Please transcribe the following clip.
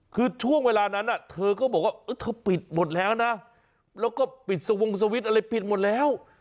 คือช่วงเวลานั้นเธอก็บอกว่าเธอปิดหมดแล้วนะแล้วก็ปิดสวงสวิตช์อะไรปิดหมดแล้ว